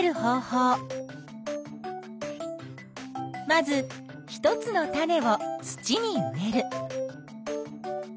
まず一つの種を土に植える。